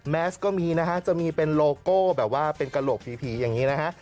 แมสก็มีนะฮะจะมีเป็นโลโก้แบบว่าเป็นกระโหลกผีอย่างนี้นะฮะ